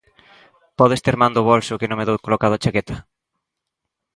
Podes ter man do bolso que non me dou colocado a chaqueta?